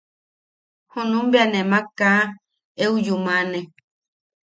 Junum bea nemak kaa eu yumane.